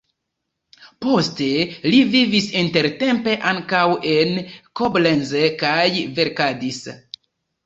Poste li vivis intertempe ankaŭ en Koblenz kaj verkadis.